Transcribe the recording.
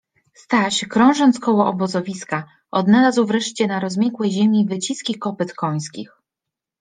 Staś, krążąc koło obozowiska, odnalazł wreszcie na rozmiękłej ziemi wyciski kopyt końskich.